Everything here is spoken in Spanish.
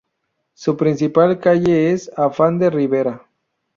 Su principal calle es Afán de Ribera.